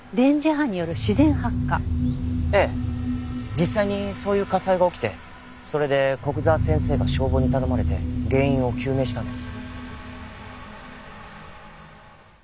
実際にそういう火災が起きてそれで古久沢先生が消防に頼まれて原因を究明したんです。